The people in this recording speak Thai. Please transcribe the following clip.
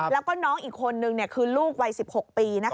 แล้วก็น้องอีกคนนึงคือลูกวัย๑๖ปี